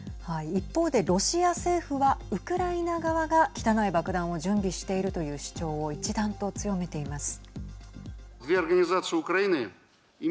一方でロシア政府はウクライナ側が汚い爆弾を準備しているという主張を一段と強めています。